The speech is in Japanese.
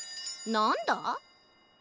なんだ？